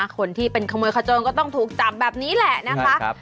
คนที่เป็นขโมยขโจรก็ต้องถูกจับแบบนี้แหละนะคะ